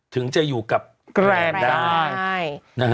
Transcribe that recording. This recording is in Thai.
ถึงจะอยู่กับแกรนได้